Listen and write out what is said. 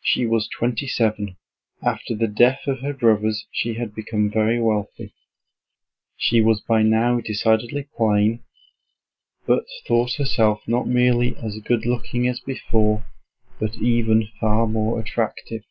She was twenty seven. After the death of her brothers she had become very wealthy. She was by now decidedly plain, but thought herself not merely as good looking as before but even far more attractive.